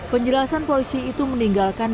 penjelasan polisi itu meninggalkan